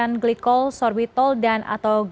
ya ternyata kita akan gimana dulu